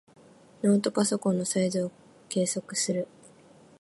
ノートパソコンのサイズを計測する。